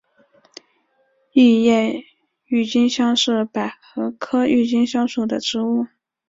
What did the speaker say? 异叶郁金香是百合科郁金香属的植物。